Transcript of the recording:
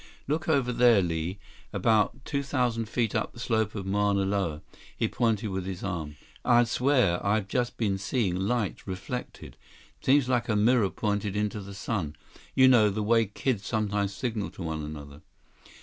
"Look over there, Li. About two thousand feet up the slope of Mauna Loa." He pointed with his arm. "I'd swear I've just been seeing light reflected. Seems like a mirror pointed into the sun—you know, the way kids sometimes signal to one another."